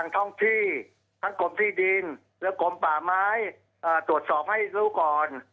ท่องที่ทั้งกรมที่ดินและกรมป่าไม้ตรวจสอบให้รู้ก่อน